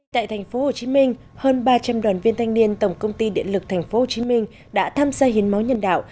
tại tp hcm hơn ba trăm linh đoàn viên thanh niên tổng công ty điện lực tp hcm đã tham gia hiến máu nhân đạo